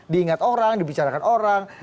diingat orang dibicarakan orang